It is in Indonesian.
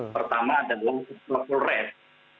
pertama ada doang approval rate